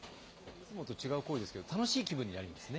いつもと違う声ですけど、楽しい気分になりますね。